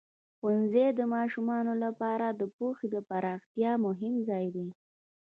ښوونځی د ماشومانو لپاره د پوهې د پراختیا مهم ځای دی.